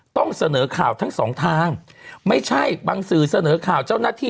ต้องเสนอข่าวทั้งสองทางไม่ใช่บางสื่อเสนอข่าวเจ้าหน้าที่